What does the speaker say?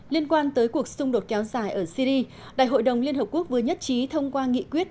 liên quan tới cuộc xung đột kéo dài ở syri đại hội đồng liên hợp quốc vừa nhất trí thông qua nghị quyết